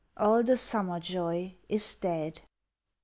All the summer joy is dead.